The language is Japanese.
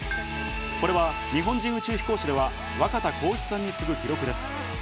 これは日本人宇宙飛行士では若田光一さんに次ぐ記録です。